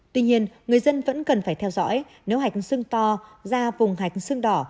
tuy nhiên người dân vẫn cần phải theo dõi nếu hạch sưng to ra vùng hạch sưng đỏ